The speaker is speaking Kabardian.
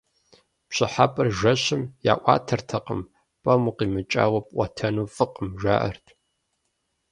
ПщӀыхьэпӀэр жэщым яӀуатэртэкъым, пӀэм укъимыкӀауэ пӀуэтэну фӀыкъым, жаӀэрт.